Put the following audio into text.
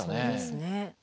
そうですね。